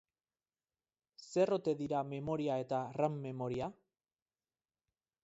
Zer ote dira memoria eta ram memoria?